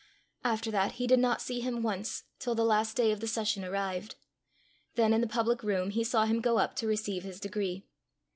After that he did not see him once till the last day of the session arrived. Then in the public room he saw him go up to receive his degree.